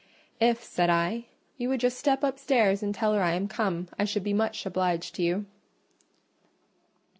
"If," said I, "you would just step upstairs and tell her I am come, I should be much obliged to you."